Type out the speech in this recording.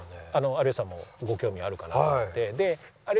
有吉さんもご興味あるかなと思って。